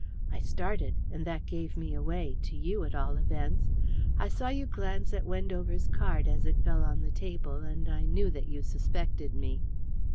I started, and that gave me away to you, at all events. I saw you glance at Wendover's card as it fell on the table, and I knew that you suspected me.